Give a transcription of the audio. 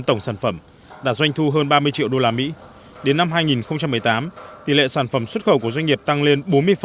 tổng sản phẩm đã doanh thu hơn ba mươi triệu đô la mỹ đến năm hai nghìn một mươi tám tỷ lệ sản phẩm xuất khẩu của doanh nghiệp tăng lên bốn mươi